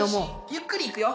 ゆっくりいくよ。